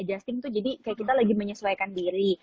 adjusting itu jadi kayak kita lagi menyesuaikan diri